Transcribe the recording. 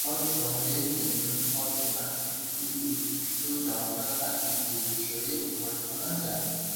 শহরের কেন্দ্রস্থল কোনাক্রি-তে উচ্ছ্বসিত জনতা তাকে এ বিষয়ে অভ্যর্থনা জানায়।